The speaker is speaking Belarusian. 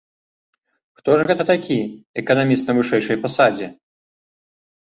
Хто ж гэта такі, эканаміст на вышэйшай пасадзе?